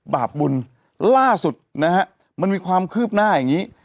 บาปบุญล่าสุดนะฮะมันมีความคืบหน้าอย่างนี้